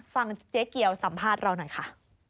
ฟังเจ๊เกียวสัมภาษณ์เราหน่อยค่ะ